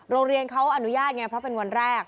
โรงเรียนเขาอนุญาตไงเพราะเป็นวันแรก